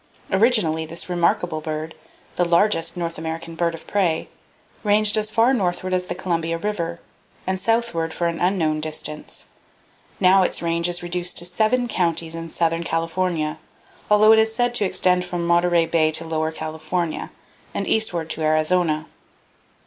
Originally this remarkable bird,—the largest North American bird of prey,—ranged as far northward as the Columbia River, and southward for an unknown distance. Now its range is reduced to seven counties in southern California, although it is said to extend from Monterey Bay to Lower California, and eastward to Arizona.